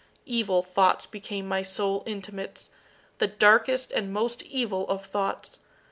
Evil thoughts became my sole intimates the darkest and most evil of thoughts.